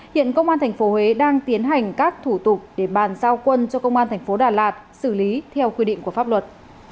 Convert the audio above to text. hiện công an tp huế đang tiến hành các thủ tục để bàn giao quân cho công an thành phố đà lạt xử lý theo quy định của pháp luật